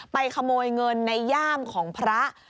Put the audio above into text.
ขโมยเงินในย่ามของพระ